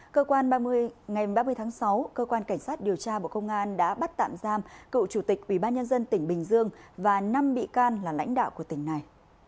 cơ quan ngày ba mươi tháng sáu cơ quan cảnh sát điều tra bộ công an đã bắt tạm giam cựu chủ tịch ubnd tỉnh bình dương và năm bị can là lãnh đạo của tỉnh này